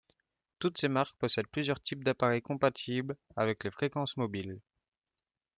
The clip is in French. Toutes ces marques possèdent plusieurs types d'appareil compatibles avec les fréquences mobiles.